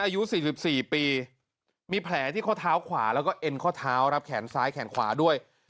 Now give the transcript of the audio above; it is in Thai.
อายุ๔๔ปีมีแผลที่ข้อเท้าขวาแล้วก็เอ็นข้อเท้าครับแขนซ้ายแขนขวาด้วย